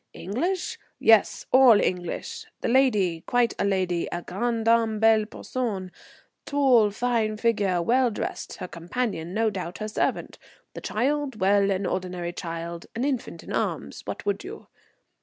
English? Yes, all English. The lady, quite a lady, a grande dame belle personne, tall, fine figure, well dressed; her companion no doubt her servant; the child, well, an ordinary child, an infant in arms. What would you?